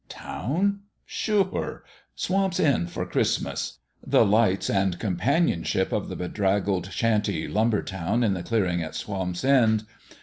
Town? Sure ! Swamp's End for Christmas the lights and companionship of the bedraggled shanty lumber town in the clearing of Swamp's End